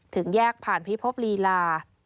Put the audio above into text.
ถึงแยกผ่านพิภพลีลา